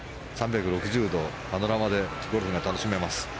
３６０度パノラマでゴルフが楽しめます。